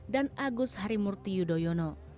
dan agus harimurti yudhoyono